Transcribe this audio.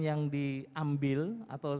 yang diambil atau